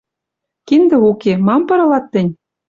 Киндӹ уке. Мам пырылат тӹнь?